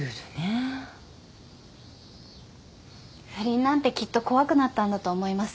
不倫なんてきっと怖くなったんだと思います。